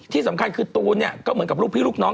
ที่สำคัญคือตูนเนี่ยก็เหมือนกับลูกพี่ลูกน้อง